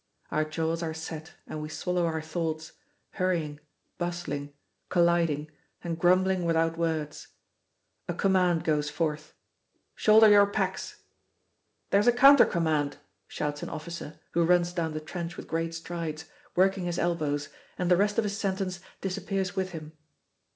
Our jaws are set and we swallow our thoughts, hurrying, bustling, colliding, and grumbling without words. A command goes forth "Shoulder your packs." "There's a counter command " shouts an officer who runs down the trench with great strides, working his elbows, and the rest of his sentence disappears with him.